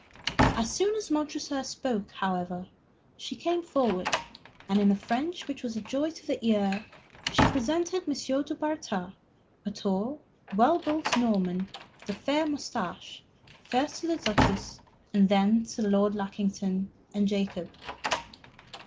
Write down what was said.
As Montresor spoke, however, she came forward, and in a French which was a joy to the ear, she presented M. du Bartas, a tall, well built Norman with a fair mustache, first to the Duchess and then to Lord Lackington and Jacob.